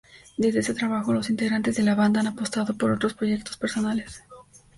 Desde ese trabajo los integrantes de la banda han apostado por otros proyectos personales.